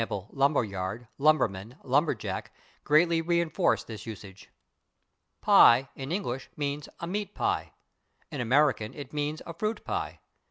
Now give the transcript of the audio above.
/lumber yard/, /lumberman/, /lumberjack/, greatly reinforce this usage. /Pie/, in English, means a meat pie; in American it means a fruit pie.